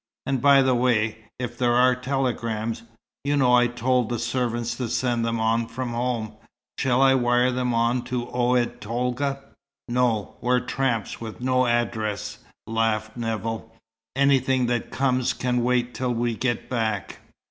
And by the way, if there are telegrams you know I told the servants to send them on from home shall I wire them on to Oued Tolga?" "No. We're tramps, with no address," laughed Nevill. "Anything that comes can wait till we get back."